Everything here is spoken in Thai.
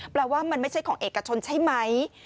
ว่ามันไม่ใช่ของเอกชนใช่ไหม